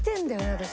私。